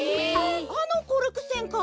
あのコルクせんか。